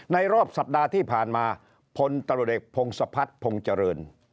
รอบสัปดาห์ที่ผ่านมาพลตรวจเอกพงศพัฒน์พงษ์เจริญ